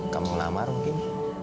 kamu ngelamar mungkin